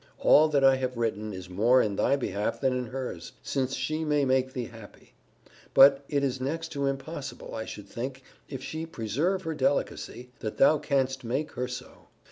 All that I have written is more in thy behalf than in her's; since she may make thee happy; but it is next to impossible, I should think, if she preserve her delicacy, that thou canst make her so.